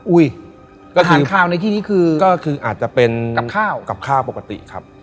อุ้ยอาหารคาวในที่นี่คือกลับข้าวปกติครับ